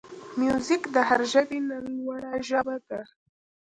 موزیک د هر ژبې نه لوړه ژبه ده.